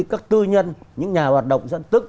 các tư nhân những nhà hoạt động dân tức